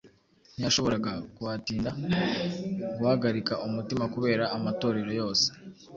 ntiyashoboraga kuhatinda. “Guhagarika umutima kubera amatorero yose”,